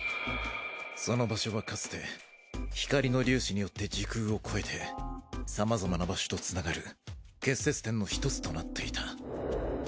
その場所はかつて光の粒子によって時空を越えてさまざまな場所とつながる結節点の一つとなっていた。